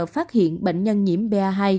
phát hiện bệnh nhân nhiễm ba hai